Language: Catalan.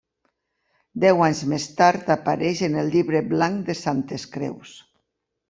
Deu anys més tard apareix en el Llibre Blanc de Santes Creus.